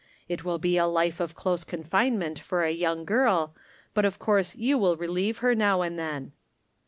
It will be a life of close confinement for a young ghi, but of course you will relieve her now and then."